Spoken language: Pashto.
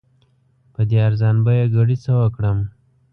په دې ارزان بیه ګړي څه وکړم؟